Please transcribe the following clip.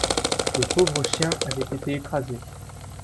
Le pauvre chien avait été écrasé.